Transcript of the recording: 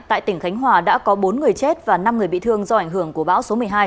tại tỉnh khánh hòa đã có bốn người chết và năm người bị thương do ảnh hưởng của bão số một mươi hai